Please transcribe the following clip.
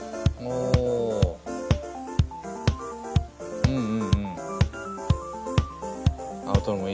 うん。